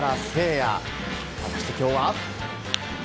果たして、今日は。